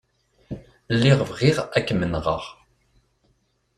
Lliɣ bɣiɣ ad kem-nɣeɣ.